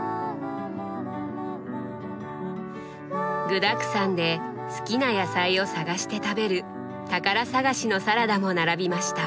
具だくさんで好きな野菜を探して食べる宝探しのサラダも並びました。